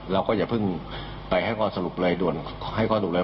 เราก็อย่าเพิ่งไปให้ข้อสรุปเลยด่วนให้ข้อสรุปเลย